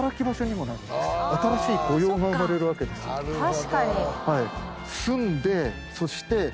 確かに。